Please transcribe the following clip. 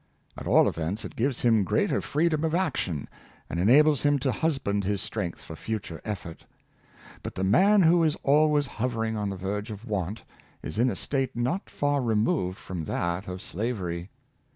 At all events, it gives him greater freedom of action, and enables him to husband his strength for future effort. But the man who is always hovering on the verge of want is in a state not far removed from that of slavery.